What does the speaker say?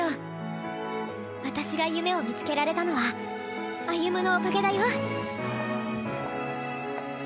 私が夢を見つけられたのは歩夢のおかげだよ。